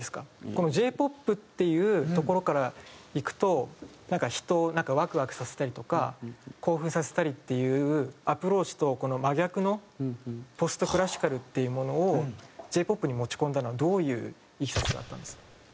このＪ−ＰＯＰっていうところからいくとなんか人をワクワクさせたりとか興奮させたりっていうアプローチと真逆のポスト・クラシカルっていうものをＪ−ＰＯＰに持ち込んだのはどういういきさつだったんですか？